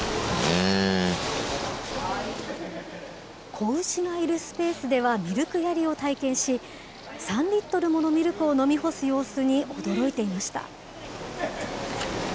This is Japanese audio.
子牛のいるスペースではミルクやりを体験し、３リットルものミルクを飲み干す様子に驚いていました。